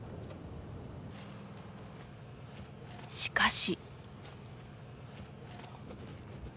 しかし。